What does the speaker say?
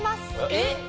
えっ！？